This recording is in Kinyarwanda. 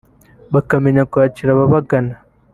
bakamenya kwakira ababagana